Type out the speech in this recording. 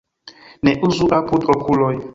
Ne uzu apud okuloj.